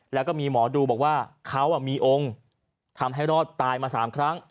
แล้วก็มีหมอดูบอกว่าเขามีองค์ทำให้รอดตายมา๓ครั้ง